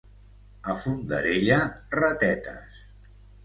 A Fondarella, ratetes.